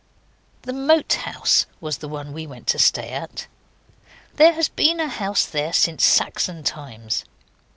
The Moat House was the one we went to stay at. There has been a house there since Saxon times.